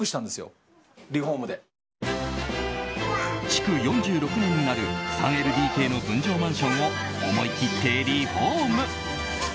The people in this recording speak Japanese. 築４６年になる３ＬＤＫの分譲マンションを思い切ってリフォーム。